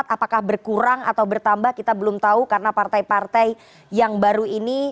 apakah berkurang atau bertambah kita belum tahu karena partai partai yang baru ini